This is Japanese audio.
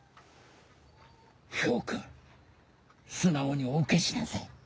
漂君素直にお受けしなさい。